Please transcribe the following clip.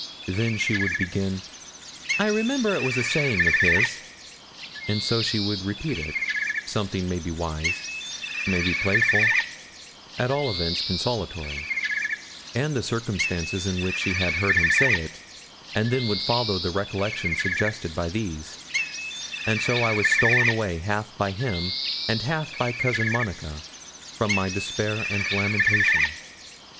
Then she would begin, 'I remember it was a saying of his,' and so she would repeat it something maybe wise, maybe playful, at all events consolatory and the circumstances in which she had heard him say it, and then would follow the recollections suggested by these; and so I was stolen away half by him, and half by Cousin Monica, from my despair and lamentation.